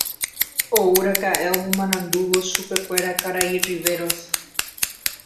Ouraka'e omomarandúvo chupekuéra karai Riveros.